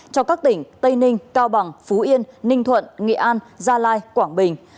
cho các tỉnh tây ninh cao bằng phú yên ninh thuận nghệ an gia lai quảng bình